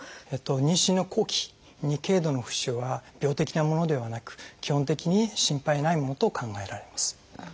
妊娠の後期に軽度の浮腫は病的なものではなく基本的に心配ないものと考えられます。